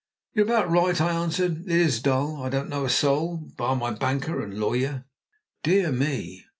"You're about right," I answered. "It is dull! I don't know a soul, bar my banker and lawyer." "Dear me!"